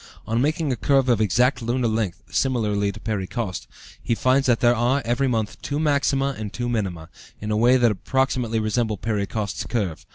On making a curve of exact lunar length (similarly to Perry Coste), he finds that there are, every month, two maxima and two minima, in a way that approximately resemble Perry Coste's curve.